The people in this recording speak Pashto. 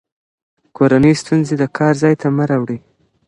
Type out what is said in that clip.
کورني ستونزې د کار ځای ته مه راوړئ.